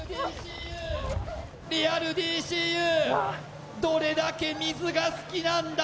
リアルＤＣＵどれだけ水が好きなんだ